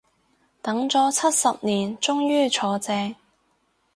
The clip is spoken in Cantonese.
等咗七十年終於坐正